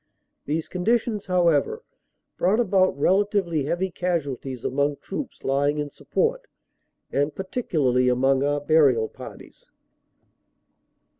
These conditions, how ever, brought about relatively heavy casualties among troops lying in support, and particularly among our burial parties.